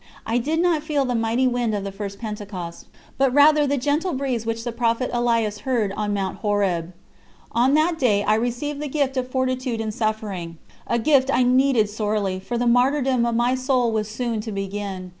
I did not feel the mighty wind of the first Pentecost, but rather the gentle breeze which the prophet Elias heard on Mount Horeb. On that day I received the gift of fortitude in suffering a gift I needed sorely, for the martyrdom of my soul was soon to begin.